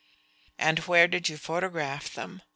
"And where did you photograph them?